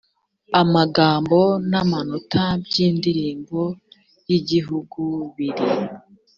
amagambo n amanota by indirimbo y igihugu biri